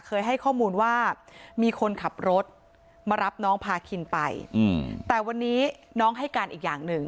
เคยให้ข้อมูลว่ามีคนขับรถมารับน้องพาคินไปแต่วันนี้น้องให้การอีกอย่างหนึ่ง